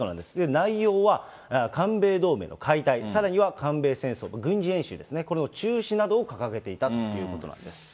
内容は韓米同盟の解体、さらには韓米戦争、軍事演習ですね、これの中止などを掲げていたということなんです。